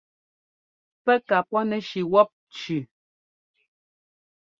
Pɛ́ ka pɔ́nɛshi wɔ́p cʉʉ.